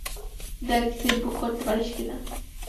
দ্যাখ, seat book করতে পারিস কিনা।